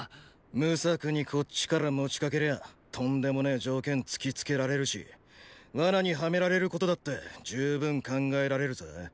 無策にこっちから持ちかけりゃとんでもねえ条件つきつけられるし罠にはめられることだって十分考えられるぜ。